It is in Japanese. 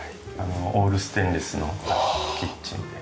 オールステンレスのキッチンで。